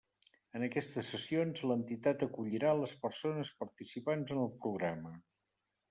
En aquestes sessions, l'entitat acollirà les persones participants en el Programa.